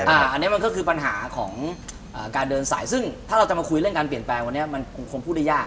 อันนี้มันก็คือปัญหาของการเดินสายซึ่งถ้าเราจะมาคุยเรื่องการเปลี่ยนแปลงวันนี้มันคงพูดได้ยาก